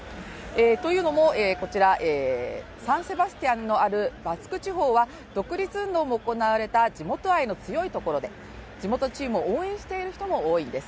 というのも、こちらサン・セバスティアンのあるバスク地方は独立運動も行われた地元愛の強いところで地元チームを応援している人も多いんです。